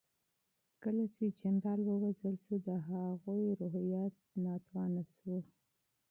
کله چې جنرال ووژل شو د هغوی روحيات کمزوري شول.